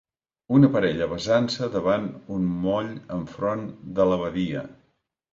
Una parella besant-se davant un moll enfront de la badia.